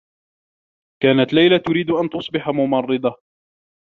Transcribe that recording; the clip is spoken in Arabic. كانت ليلى تريد أن تصبح ممرّضة.